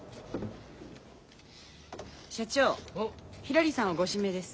社長ひらりさんをご指名です。